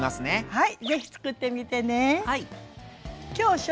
はい。